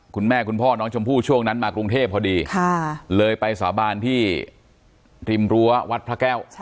คุณพ่อน้องชมพู่ช่วงนั้นมากรุงเทพพอดีเลยไปสาบานที่ริมรั้ววัดพระแก้ว